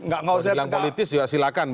kalau dibilang politis juga silakan